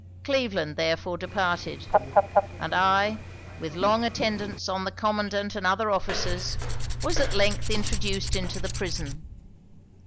Cleveland therefore departed; and I, with long attendance on the Commandant and other officers, was at length introduced into the prison.